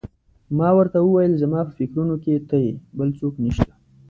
ما ورته وویل: زما په فکرونو کې ته یې، بل څوک نه شته.